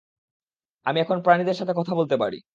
আমি এখন প্রাণীদের সাথে কথা বলতে পারি।